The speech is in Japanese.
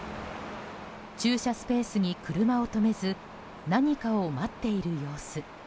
駐車スペースに車を止めず何かを待っている様子。